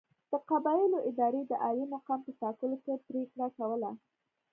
د قبایلو ادارې د عالي مقام په ټاکلو کې پرېکړه کوله.